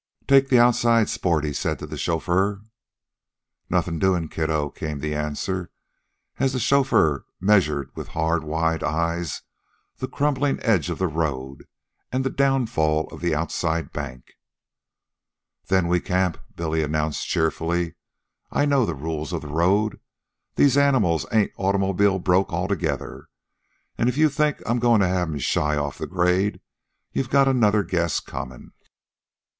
"Take the outside, sport," he said to the chauffeur. "Nothin' doin', kiddo," came the answer, as the chauffeur measured with hard, wise eyes the crumbling edge of the road and the downfall of the outside bank. "Then we camp," Billy announced cheerfully. "I know the rules of the road. These animals ain't automobile broke altogether, an' if you think I'm goin' to have 'em shy off the grade you got another guess comin'."